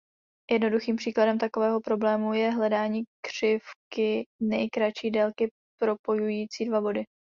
Jednoduchým příkladem takového problému je hledání křivky nejkratší délky propojující dva body.